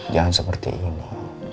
jangan seperti ini